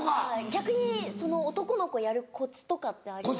逆にその男の子やるコツとかってありますか？